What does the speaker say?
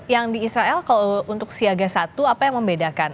yang di israel kalau untuk siaga satu apa yang membedakan